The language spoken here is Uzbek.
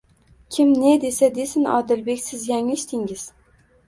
— Kim ne desa-desin, Odilbek, siz yanglishdingiz.